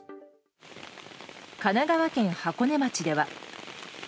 神奈川県箱根町では。